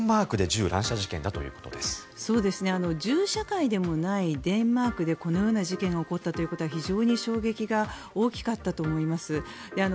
銃社会でもないデンマークでこのような事件が起こったということが非常に衝撃が大きかったと思います。